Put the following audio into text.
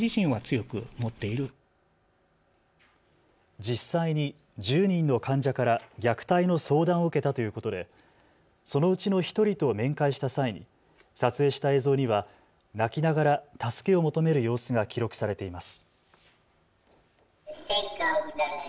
実際に１０人の患者から虐待の相談を受けたということでそのうちの１人と面会した際に撮影した映像には泣きながら助けを求める様子が記録されています。